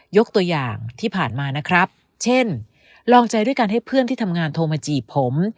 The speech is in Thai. ยกตัวอย่างที่ผ่านมานะครับเช่นลองใจด้วยการให้เพื่อนที่ทำงานโทรมาจีบผม